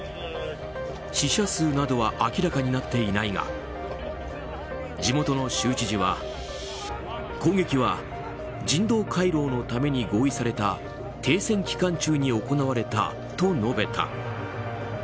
死者数などは明らかになっていないが地元の州知事は攻撃は人道回廊のために合意された停戦期間中に行われたと述べた。